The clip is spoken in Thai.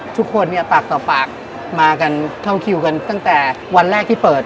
ทุกคนเนี่ยปากต่อปากมากันเข้าคิวกันตั้งแต่วันแรกที่เปิด